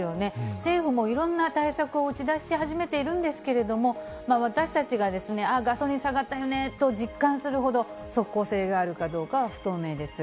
政府もいろんな対策を打ち出し始めているんですけれども、私たちが、ああ、ガソリン下がったよねと実感するほど、即効性があるかどうかは不透明です。